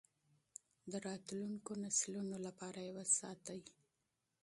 د راتلونکو نسلونو لپاره یې وساتئ.